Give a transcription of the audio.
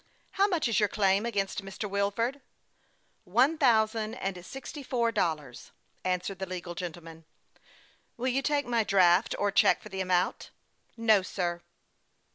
" How much is your claim against Mr. Wilfordr" " One thousand and sixty four dollars," answered the legal gentleman. " Will you take my draft or check for the amount?" " No, sir."